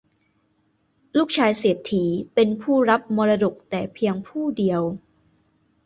ลูกชายเศรษฐีเป็นผู้รับมรดกแต่เพียงผู้เดียว